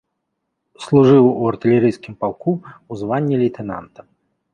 Служыў у артылерыйскім палку ў званні лейтэнанта.